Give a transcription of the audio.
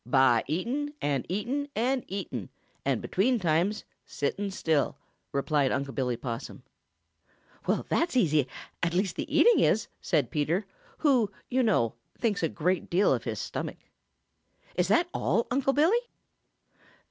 "By eating and eating and eating, and between times sitting still," replied Unc' Billy Possum. "That's easy, at least the eating is!" said Peter, who, you know, thinks a great deal of his stomach. "Is that all, Uncle Billy?"